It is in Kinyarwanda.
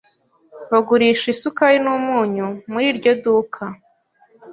Bagurisha isukari n'umunyu muri iryo duka.